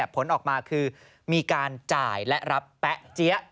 ผลออกมาคือมีการจ่ายและรับแป๊ะเจี๊ยะ